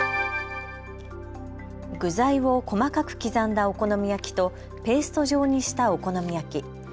具材を細かく刻んだお好み焼きとペースト状にしたお好み焼き。